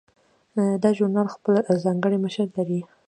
دا ژورنال خپل ځانګړی مشر لري.